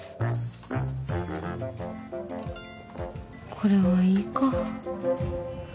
これはいいか。